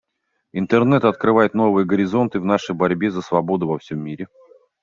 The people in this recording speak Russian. Интернет открывает новые горизонты в нашей борьбе за свободу во всем мире.